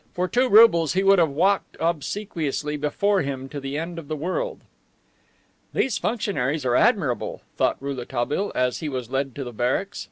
For two roubles he would have walked obsequiously before him to the end of the world. "These functionaries are admirable," thought Rouletabille as he was led to the barracks.